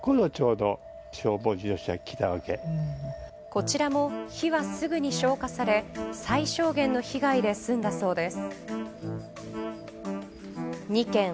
こちらも火はすぐに消火され最小限の被害で済んだそうです。